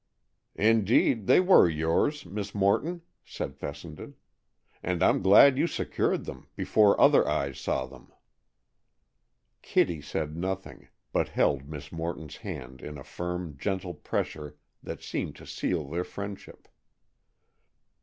"Indeed, they were yours, Miss Morton," said Fessenden, "and I'm glad you secured them, before other eyes saw them." Kitty said nothing, but held Miss Morton's hand in a firm, gentle pressure that seemed to seal their friendship.